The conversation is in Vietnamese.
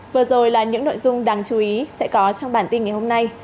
vừa rồi là những nội dung đáng chú ý sẽ có trong bản tin ngày hôm nay